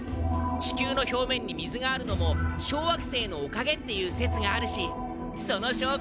地球の表面に水があるのも小惑星のおかげっていう説があるしその証こになるかもしれない！